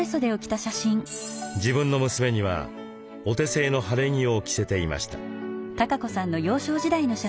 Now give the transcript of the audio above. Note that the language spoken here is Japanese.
自分の娘にはお手製の晴れ着を着せていました。